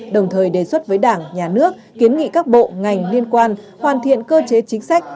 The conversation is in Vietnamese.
đồng thời đề xuất với đảng nhà nước kiến nghị các bộ ngành liên quan hoàn thiện cơ chế chính sách